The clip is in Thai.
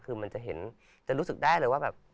คือมันจะเห็นจะรู้สึกได้เลยว่าแบบ